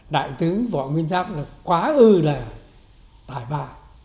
đại tướng võ nguyên giáp là quá ư là tài ba